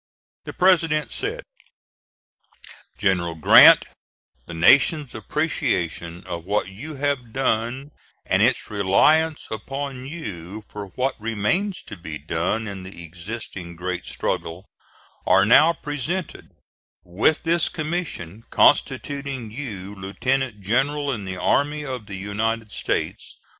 The President said: "General Grant, the nation's appreciation of what you have done, and its reliance upon you for what remains to be done in the existing great struggle, are now presented, with this commission constituting you lieutenant general in the Army of the United States.